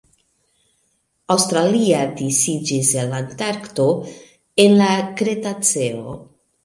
Australia disiĝis el Antarkto en la Kretaceo.